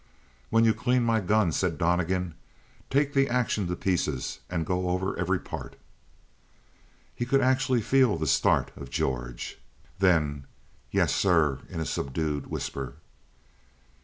"When you clean my gun," said Donnegan, "take the action to pieces and go over every part." He could actually feel the start of George. Then: "Yes, sir," in a subdued whisper.